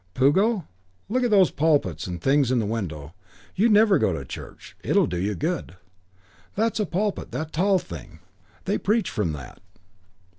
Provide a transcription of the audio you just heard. "Puggo, look at those pulpits and things in the window. You never go to church. It'll do you good. That's a pulpit, that tall thing. They preach from that."